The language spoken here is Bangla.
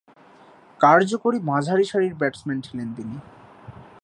কার্যকরী মাঝারিসারির ব্যাটসম্যান ছিলেন তিনি।